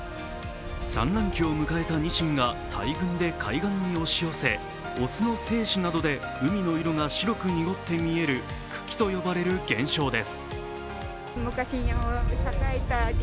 産卵期を迎えたニシンが大群で海岸に押し寄せ雄の精子などで海の色が白く濁って見える群来と呼ばれる現象です。